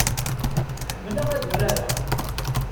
Ḥemmleɣ ad urareɣ.